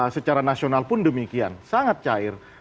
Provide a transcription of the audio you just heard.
secara nasional pun demikian sangat cair